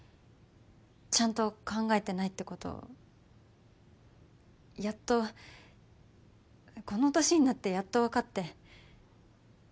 ちゃんと考えてないってことやっとこの年になってやっと分かって。